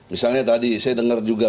misalnya tadi saya dengar juga